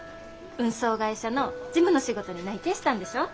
運送会社の事務の仕事に内定したんでしょ？